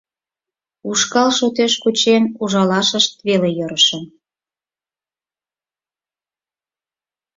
Ушкал шотеш кучен ужалашышт веле йӧрышым.